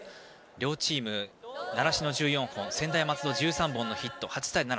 両チーム、習志野１４本専大松戸１３本のヒットで８対７。